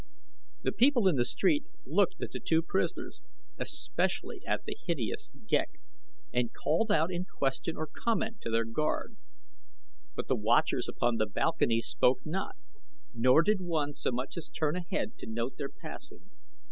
The people in the street looked at the two prisoners, especially at the hideous Ghek, and called out in question or comment to their guard; but the watchers upon the balconies spoke not, nor did one so much as turn a head to note their passing.